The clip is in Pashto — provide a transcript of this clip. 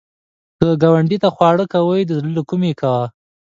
که ګاونډي ته خواړه کوې، د زړه له کومي کوه